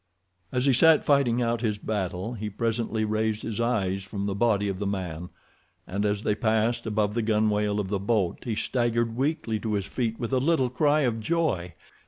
As he sat fighting out his battle he presently raised his eyes from the body of the man, and as they passed above the gunwale of the boat he staggered weakly to his feet with a little cry of joy.